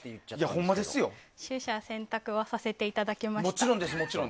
取捨選択をさせていただきました。